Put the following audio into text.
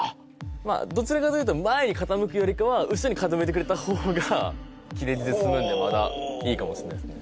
どちらかというと前に傾くよりかは後ろに傾いてくれた方が切れ痔ですむんでまだいいかもしれないですね